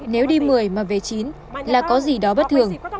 nếu đi một mươi mà về chín là có gì đó bất thường